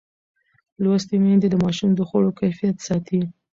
لوستې میندې د ماشوم د خوړو کیفیت ساتي.